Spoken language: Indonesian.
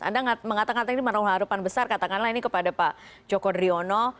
anda mengatakan tadi menaruh harapan besar katakanlah ini kepada pak joko driono